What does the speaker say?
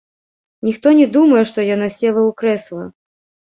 Ніхто не думае, што яно села ў крэсла.